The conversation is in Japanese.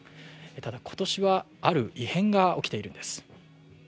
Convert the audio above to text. ただ、今年はある異変が起きているんです。